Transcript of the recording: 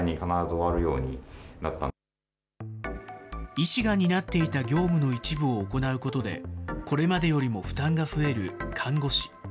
医師が担っていた業務の一部を行うことで、これまでよりも負担が増える看護師。